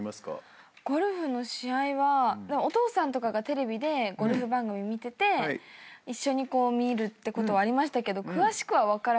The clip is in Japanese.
ゴルフの試合はお父さんとかがテレビでゴルフ番組見てて一緒に見るってことはありましたけど詳しくは分からず。